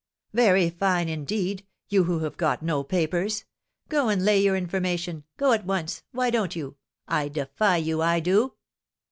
"Very fine, indeed! You who have got no papers. Go and lay your information, go at once. Why don't you? I defy you, I do!"